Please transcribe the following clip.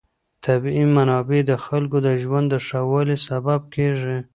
طبیعي منابع د خلکو د ژوند د ښه والي سبب کېږي.